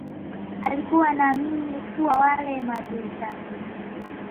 alikuwa anaamini kuwa wale maadui zake